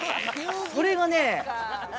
それがね